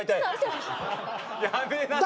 やめなさいって。